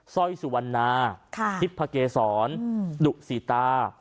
ร้อยสุวรรณาทิพเกษรดุสีตา